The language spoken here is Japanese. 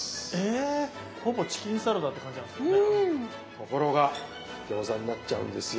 ところが餃子になっちゃうんですよ。